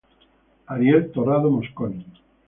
Ariel Torrado Mosconi.